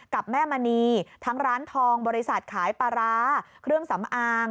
กับแม่มณีทั้งร้านทองบริษัทขายปลาร้าเครื่องสำอาง